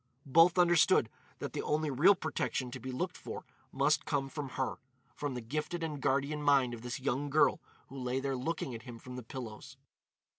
Both understood that the only real protection to be looked for must come from her—from the gifted and guardian mind of this young girl who lay there looking at him from the pillows.